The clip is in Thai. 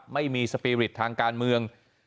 ไม่มีสปีริตทางการเมือง